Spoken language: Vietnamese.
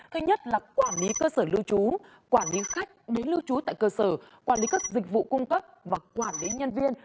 thứ nhất là quản lý cơ sở lưu trú quản lý khách đến lưu trú tại cơ sở quản lý các dịch vụ cung cấp và quản lý nhân viên